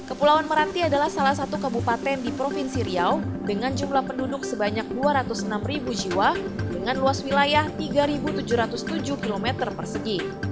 kepulauan meranti adalah salah satu kabupaten di provinsi riau dengan jumlah penduduk sebanyak dua ratus enam jiwa dengan luas wilayah tiga tujuh ratus tujuh km persegi